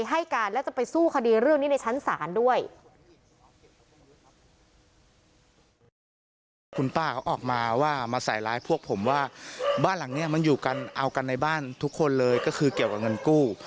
หลังนี้มันอยู่กันเอากันในบ้านทุกคนเลยก็คือเกี่ยวกับเงินกู้